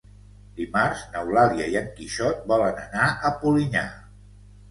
Dimarts n'Eulàlia i en Quixot volen anar a Polinyà.